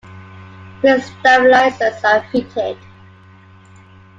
Fin stabilizers are fitted.